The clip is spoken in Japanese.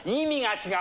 違う。